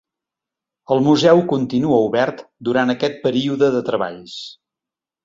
El museu continua obert durant aquest període de treballs.